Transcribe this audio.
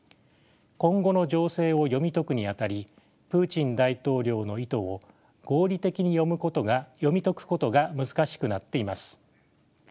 今後の情勢を読み解くにあたりプーチン大統領の意図を合理的に読み解くことが難しくなっています。